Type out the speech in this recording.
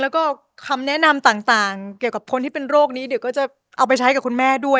แล้วก็คำแนะนำต่างเกี่ยวกับคนที่เป็นโรคนี้เดี๋ยวก็จะเอาไปใช้กับคุณแม่ด้วย